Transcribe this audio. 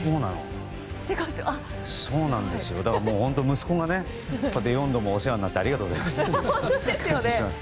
息子がお世話になってありがとうございます。